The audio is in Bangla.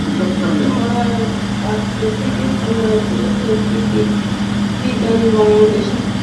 ছড়া পাঠ করে শোনায় সিলেটের গীতবিতান বাংলাদেশ, ঢাকার ম্যাপললিফ ইন্টারন্যাশনাল স্কুলের শিশুরা।